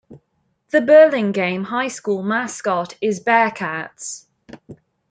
The Burlingame High School mascot is Bearcats.